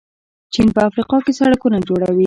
چین په افریقا کې سړکونه جوړوي.